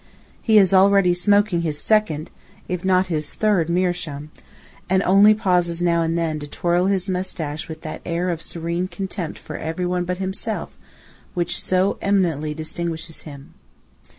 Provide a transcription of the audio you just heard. He is already smoking his second, if not his third meerschaum; and only pauses now and then to twirl his moustache with that air of serene contempt for everyone but himself which so eminently distinguishes him.